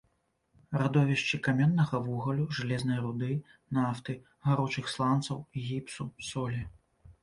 Радовішчы каменнага вугалю, жалезнай руды, нафты, гаручых сланцаў, гіпсу, солі.